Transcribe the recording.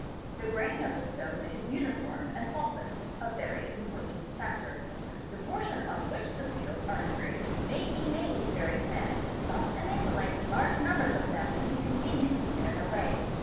The grain of the stone is uniform and fault less, a very important factor. The portion on which the seals are engraved may be made very thin, thus enabling large numbers of them to be conveniently hidden away.